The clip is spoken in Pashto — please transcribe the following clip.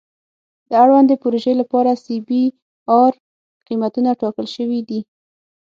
د اړوندې پروژې لپاره سی بي ار قیمتونه ټاکل شوي دي